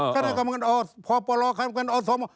คณะกรรมการออสพอปลอคณะกรรมการอสโฮม